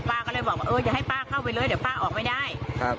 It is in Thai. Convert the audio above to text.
ก็เลยบอกว่าเอออย่าให้ป้าเข้าไปเลยเดี๋ยวป้าออกไม่ได้ครับ